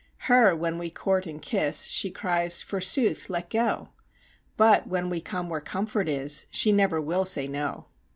Her when we court and kiss, she cries: forsooth, let go! But when we come where comfort is, she never will say no.